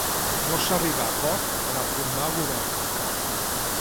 No s'arriba a acord per a formar govern.